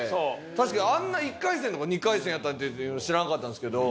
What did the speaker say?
確かにあんな１回戦とか２回戦やったっていうの知らんかったんですけど。